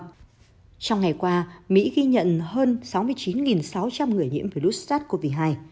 trong ngày qua mỹ ghi nhận hơn sáu mươi chín sáu trăm linh người nhiễm virus sars cov hai